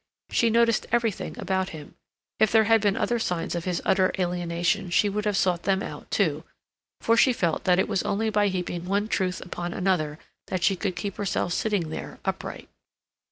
She noticed everything about him; if there had been other signs of his utter alienation she would have sought them out, too, for she felt that it was only by heaping one truth upon another that she could keep herself sitting there, upright.